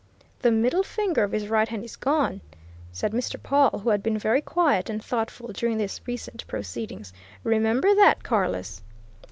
"The middle finger of his right hand is gone!" said Mr. Pawle, who had been very quiet and thoughtful during the recent proceedings. "Remember that, Carless!"